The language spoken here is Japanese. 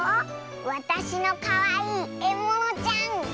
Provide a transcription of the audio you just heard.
わたしのかわいいえものちゃん。